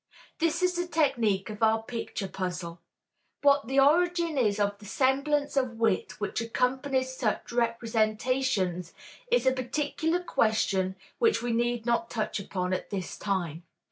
This is the technique of our picture puzzle. What the origin is of the semblance of wit which accompanies such representations is a particular question which we need not touch upon at this time.